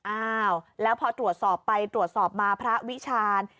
อ้าวแล้วพอตรวจสอบไปตรวจสอบมาพระวิชาญ